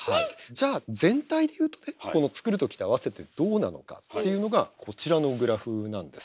じゃあ全体で言うとねこの作る時と合わせてどうなのかっていうのがこちらのグラフなんです。